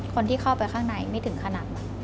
คนที่เข้าไปข้างในไม่ถึงขนาดนั้น